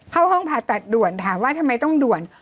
เข้าห้องผ่าตัดด่วนถามว่าทำไมต้องด่วน